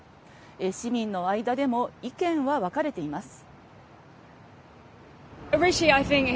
市民の間でも意見は分かれています。